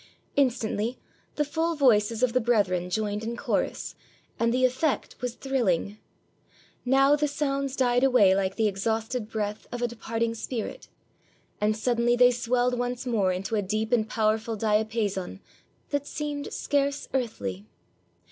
Instantly, the full voices of the brethren joined in chorus, and the effect was thrilling; now the sounds died away like the exhausted breath of a depart ing spirit, and suddenly they swelled once more into a deep and powerful diapason that seemed scarce earthly.